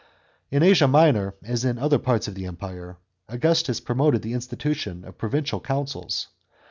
In Asia Minor, as in other parts of the Empire, Augustus promoted the institution of provincial councils.